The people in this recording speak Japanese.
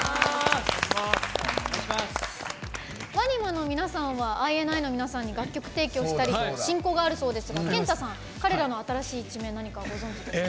ＷＡＮＩＭＡの皆さんはＩＮＩの皆さんに楽曲提供したり親交があるそうですがＫＥＮＴＡさん彼らの新しい一面ご存じですか？